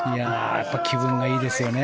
気分がいいですよね。